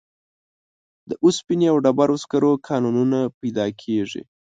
د اوسپنې او ډبرو سکرو کانونه پیدا کیږي.